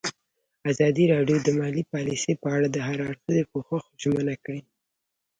ازادي راډیو د مالي پالیسي په اړه د هر اړخیز پوښښ ژمنه کړې.